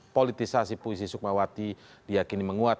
politisasi puisi sukmawati diakini menguat